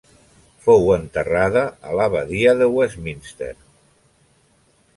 Fou enterrada a l'Abadia de Westminster.